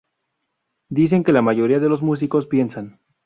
dicen que la mayoría de los músicos piensan